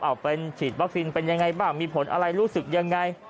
เอาเป็นฉีดวัคซีนเป็นยังไงบ้างมีผลอะไรรู้สึกยังไง